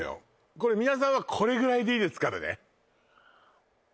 これ皆さんはこれぐらいでいいですからね